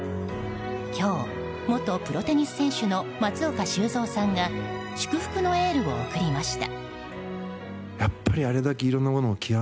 今日、元プロテニス選手の松岡修造さんが祝福のエールを送りました。